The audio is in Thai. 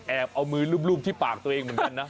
เอามือลูบที่ปากตัวเองเหมือนกันนะ